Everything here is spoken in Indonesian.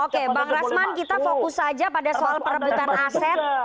oke bang rasman kita fokus saja pada soal perebutan aset